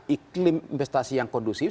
iklim investasi yang kondusif